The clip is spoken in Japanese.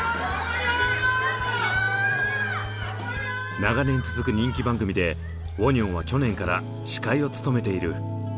長年続く人気番組でウォニョンは去年から司会を務めている。